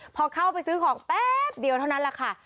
พอเข้าไปซื้อของแป๊บเดียวเท่านั้นแหละค่ะ